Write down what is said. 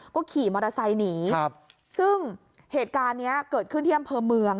ก็ขี่มอเตอร์ไซค์หนีครับซึ่งเหตุการณ์เนี้ยเกิดขึ้นที่อำเภอเมือง